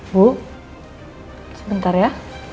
bu sebentar ya